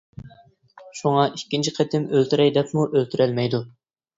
شۇڭا ئىككىنچى قېتىم ئۆلتۈرەي دەپمۇ ئۆلتۈرەلمەيدۇ.